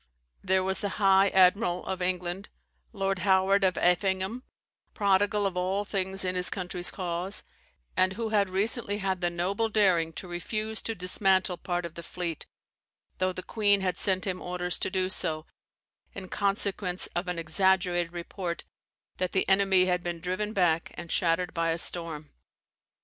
There was the high admiral of England, Lord Howard of Effingham, prodigal of all things in his country's cause, and who had recently had the noble daring to refuse to dismantle part of the fleet, though the Queen had sent him orders to do so, in consequence of an exaggerated report that the enemy had been driven back and shattered by a storm.